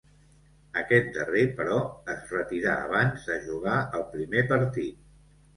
Aquest darrer, però, es retirà abans de jugar el primer partit.